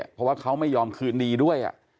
เพราะว่าเขาไม่ยอมคืนดีด้วย